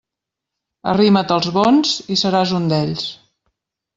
Arrima't als bons, i seràs un d'ells.